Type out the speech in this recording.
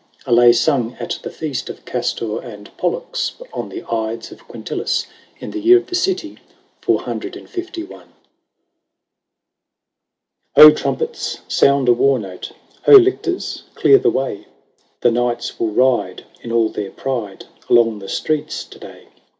A LAY SUNG AT THE FEAST OF CASTOR AND POLLUX ON THE IDES OF QUINTILIS, IN THE TEAR OF THE CITY CCCCLI. I. Ho, trumpets, sound a war note ! Ho, lictors, clear the way ! The Knights will ride, in all their pride, Along the streets to day.